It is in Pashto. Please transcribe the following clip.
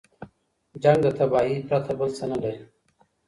جنګ د تباهۍ پرته بل څه نه لري.